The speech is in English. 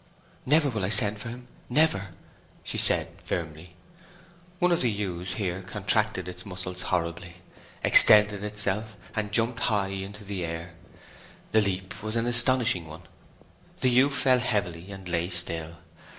"Never will I send for him—never!" she said firmly. One of the ewes here contracted its muscles horribly, extended itself, and jumped high into the air. The leap was an astonishing one. The ewe fell heavily, and lay still.